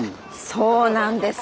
そうなんです！